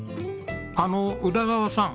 あの宇田川さん